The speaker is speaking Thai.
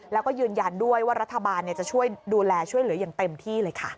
แล้วก็ยืนยันด้วยว่ารัฐบาลจะช่วยดูแลช่วยเหลืออย่างเต็มที่เลยค่ะ